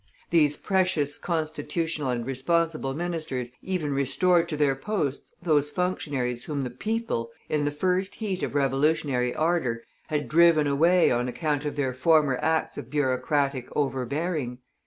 These precious constitutional and responsible ministers even restored to their posts those functionaries whom the people, in the first heat of revolutionary ardor, had driven away on account of their former acts of bureaucratic overbearing.